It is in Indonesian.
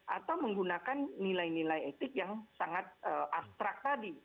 atau menggunakan nilai nilai etik yang sangat abstrak tadi